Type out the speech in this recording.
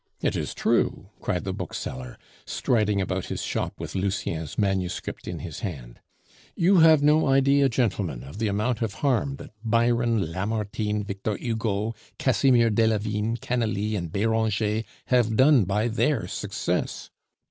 "It is true!" cried the bookseller, striding about his shop with Lucien's manuscript in his hand. "You have no idea, gentlemen, of the amount of harm that Byron, Lamartine, Victor Hugo, Casimir Delavigne, Canalis, and Beranger have done by their success.